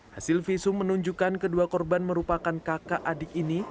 hasil visum menunjukkan kedua korban merupakan kakak adik ini